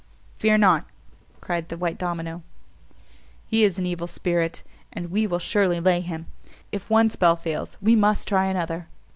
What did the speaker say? "Fear not," cried the white domino, "he is an evil spirit, and we will surely lay him. If one spell fails, we must try another."